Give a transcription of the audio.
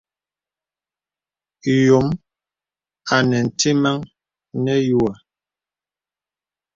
Yōm anə ntìməŋ nə yuhə̀.